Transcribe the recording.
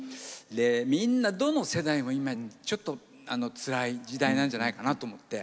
でみんなどの世代も今ちょっとつらい時代なんじゃないかなと思って。